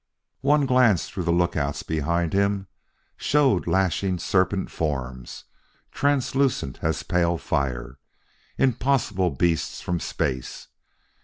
One glance through the lookouts behind him showed lashing serpent forms, translucent as pale fire; impossible beasts from space.